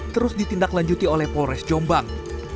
terus ditindak lanjuti oleh polres jombang